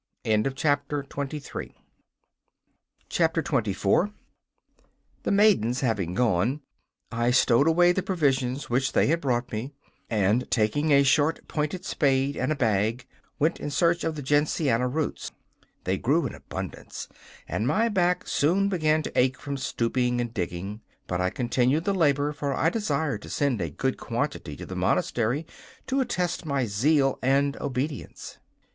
24 The maidens having gone, I stowed away the provisions which they had brought me, and, taking a short pointed spade and a bag, went in search of the gentiana roots. They grew in abundance, and my back soon began to ache from stooping and digging; but I continued the labour, for I desired to send a good quantity to the monastery to attest my zeal and obedience.